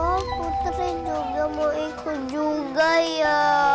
kau putri juga mau ikut juga ya